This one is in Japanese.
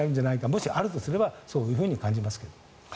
もし、あるとすればそう感じますけど。